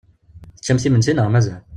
Teččamt imensi neɣ mazal?